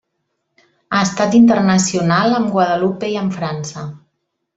Ha estat internacional amb Guadalupe i amb França.